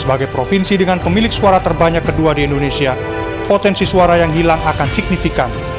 sebagai provinsi dengan pemilik suara terbanyak kedua di indonesia potensi suara yang hilang akan signifikan